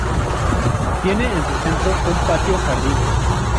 Tiene en su centro un patio-jardín.